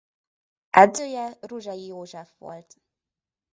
Edzője Ruzsai József volt.